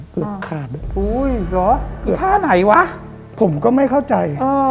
อืมเกือบขาดอุ้ยเหรออยู่ท่าไหนวะผมก็ไม่เข้าใจอ่า